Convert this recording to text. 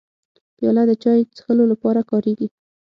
پیاله د چای څښلو لپاره کارېږي.